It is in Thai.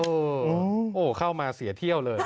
โอ้โหเข้ามาเสียเที่ยวเลย